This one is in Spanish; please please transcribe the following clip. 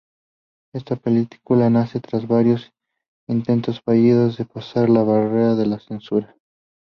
Esta película nace tras varios intentos fallidos de pasar la barrera de la censura.